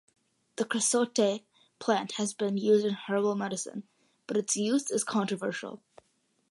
The creosote plant has been used in herbal medicine, but its use is controversial.